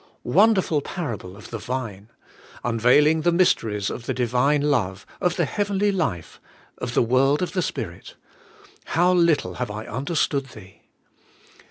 Wondrous Parable of the Vine, — unveiling the mysteries of the Divine love, of the heavenly life, of the world of Spirit, — how little have I understood thee!